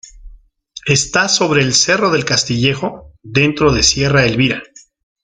Está sobre el Cerro del Castillejo, dentro de Sierra Elvira.